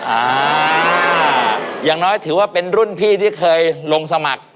อ่าอย่างน้อยถือว่าเป็นรุ่นพี่ที่เคยลงสมัคร